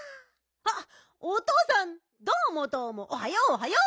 あっおとうさんどうもどうもおはようおはよう。